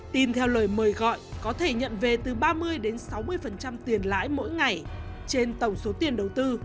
tin theo lời mời gọi có thể nhận về từ ba mươi sáu mươi tiền lãi mỗi ngày trên tổng số tiền đầu tư